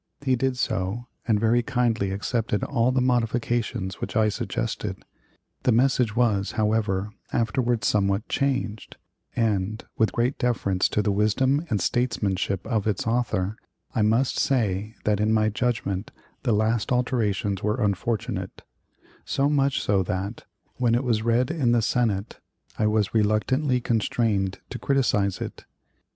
He did so, and very kindly accepted all the modifications which I suggested. The message was, however, afterward somewhat changed, and, with great deference to the wisdom and statesmanship of its author, I must say that, in my judgment, the last alterations were unfortunate so much so that, when it was read in the Senate, I was reluctantly constrained to criticise it.